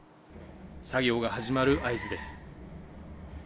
作業が始まる合図です。